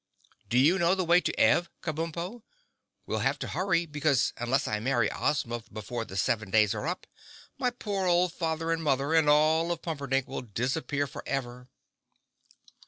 "Do you know the way to Ev, Kabumpo? We'll have to hurry, because unless I marry Ozma before the seven days are up my poor old father and mother and all of Pumperdink will disappear forever."